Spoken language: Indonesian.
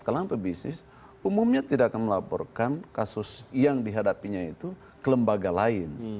kalangan pebisnis umumnya tidak akan melaporkan kasus yang dihadapinya itu ke lembaga lain